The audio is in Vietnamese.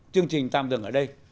chương trình tạm dừng ở đây